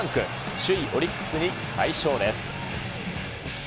首位オリックスに快勝です。